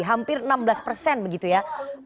hampir enam belas persen begitu ya